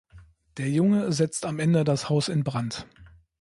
Der Junge setzt am Ende das Haus in Brand.